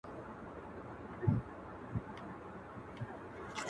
تمه نه وه د پاچا له عدالته،